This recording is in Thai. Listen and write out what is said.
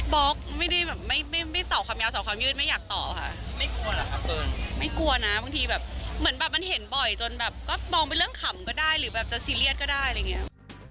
ล็อกไม่ได้แบบไม่ไม่ตอบความยาวต่อความยืดไม่อยากตอบค่ะไม่กลัวเหรอครับเฟิร์นไม่กลัวนะบางทีแบบเหมือนแบบมันเห็นบ่อยจนแบบก็มองเป็นเรื่องขำก็ได้หรือแบบจะซีเรียสก็ได้อะไรอย่างเงี้ย